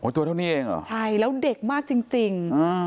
ตัวเท่านี้เองเหรอใช่แล้วเด็กมากจริง